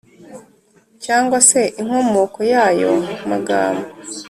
cyangwa se inkomoko yayo magambo